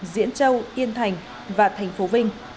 diễn châu yên thành và thành phố vinh